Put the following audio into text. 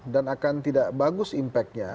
dan akan tidak bagus impact nya